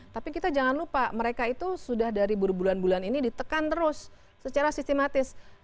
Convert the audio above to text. tapi kita jangan lupa mereka itu sudah dari berbulan bulan ini ditekan terus secara sistematis